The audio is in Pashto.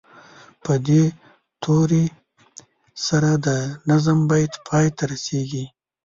په دې توري سره د نظم بیت پای ته رسیږي.